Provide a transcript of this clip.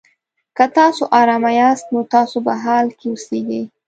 که تاسو ارامه یاست؛ نو تاسو په حال کې اوسېږئ.